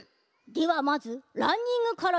ではまずランニングからだ。